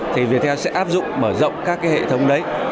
thì viettel sẽ áp dụng mở rộng các cái hệ thống đấy